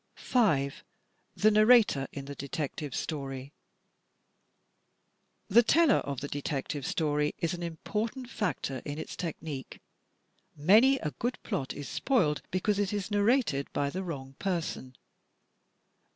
5. The Narrator in the Detective, Story The Teller of the Detective Story is an important factor in its technique. Many a good plot is spoiled because it is narrated by the wrong person.